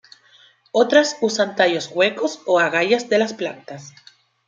Otras usan tallos huecos o agallas de las plantas.